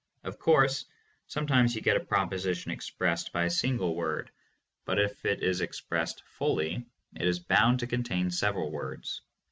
Of course, sometimes you get a proposi tion expressed by a single word, but if it is expressed fully it is bound to contain several words.